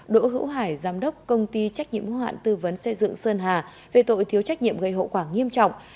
đỗ hữu hải giám đốc công ty trách nhiệm hữu hạn tư vấn xây dựng sơn hà về tội thiếu trách nhiệm gây hậu quả nghiêm trọng